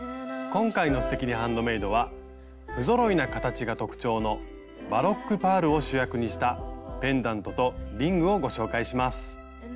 今回の「すてきにハンドメイド」は不ぞろいな形が特徴のバロックパールを主役にしたペンダントとリングをご紹介します。